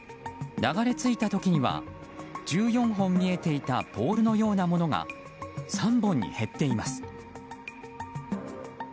流れ着いた時には１４本見えていたポールのようなものが３本に減っています。